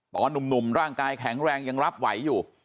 หนุ่มร่างกายแข็งแรงยังรับไหวอยู่